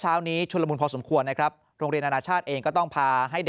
เช้านี้ชุดละมุนพอสมควรนะครับโรงเรียนอนาชาติเองก็ต้องพาให้เด็ก